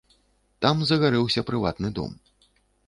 Там загарэўся прыватны дом.